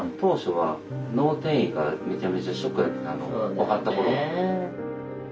分かった頃は。